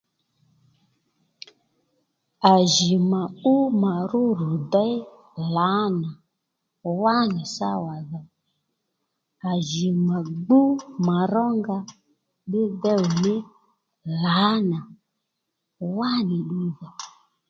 À jì mà ú mà ró ru déy lǎnà wá nì sáwà dhò à jì mà gbú mà rónga ddí déy ò ní lǎnà wá nì ddu dhò